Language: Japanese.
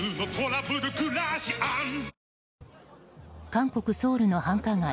韓国ソウルの繁華街